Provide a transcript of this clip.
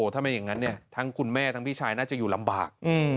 ถ้าไม่อย่างนั้นทั้งคุณแม่ทั้งพี่ชายน่าจะอยู่ลำบาก